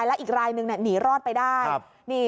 และอีกรายนึงหนีรอดไปได้